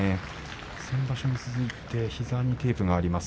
先場所に続いて膝にテープがあります。